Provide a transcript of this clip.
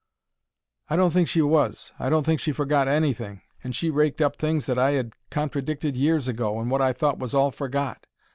I don't think she was. I don't think she forgot anything, and she raked up things that I 'ad contradicted years ago and wot I thought was all forgot.